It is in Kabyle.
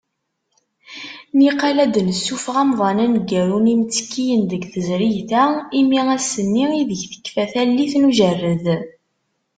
Niqal ad d-nessuffeɣ amḍan aneggaru n yimttekkiyen deg tezrigt-a, imi ass-nni ideg tekfa tallit n ujerred.